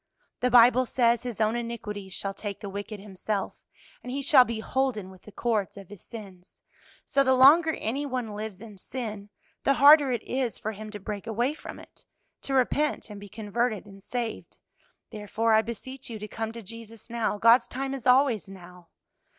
"The Bible says, 'His own iniquities shall take the wicked himself, and he shall be holden with the cords of his sins.' So the longer any one lives in sin, the harder it is for him to break away from it to repent and be converted and saved. Therefore, I beseech you to come to Jesus now; God's time is always now."